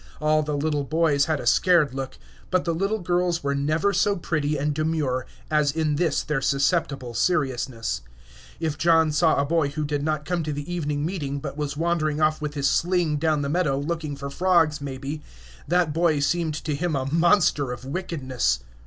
All the little boys had a scared look, but the little girls were never so pretty and demure as in this their susceptible seriousness. If John saw a boy who did not come to the evening meeting, but was wandering off with his sling down the meadow, looking for frogs, maybe, that boy seemed to him a monster of wickedness.